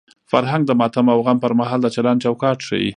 فرهنګ د ماتم او غم پر مهال د چلند چوکاټ ښيي.